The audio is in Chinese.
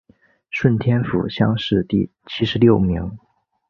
顺天府乡试第七十六名。